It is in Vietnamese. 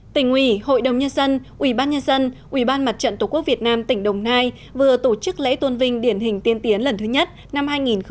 tỉnh ủy hội đồng nhân dân ubnd ubnd tổ quốc việt nam tỉnh đồng nai vừa tổ chức lễ tôn vinh điển hình tiên tiến lần thứ nhất năm hai nghìn một mươi tám